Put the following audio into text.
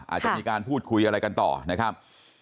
อาจจะมีการพูดคุยอะไรกันต่อนะครับ